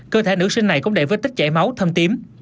cơ thể nữ sinh này cũng đầy vết tích chảy máu thâm tím